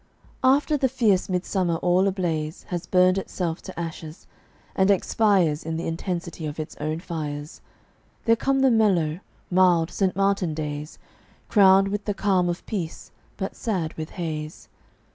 After the fierce midsummer all ablaze Has burned itself to ashes, and expires In the intensity of its own fires, There come the mellow, mild, St. Martin days, Crowned with the calm of peace, but sad with haze.